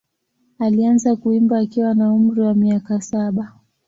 Alianza kuimba akiwa na umri wa miaka saba.